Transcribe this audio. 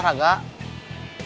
pertama buat olahraga